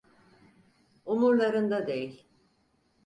Umurlarında değil.